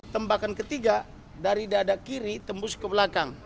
tembakan ketiga dari dada kiri tembus ke belakang